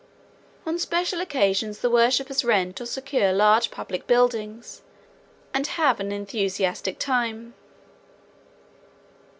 On special occasions the worshipers rent or secure large public buildings and have an enthusiastic time.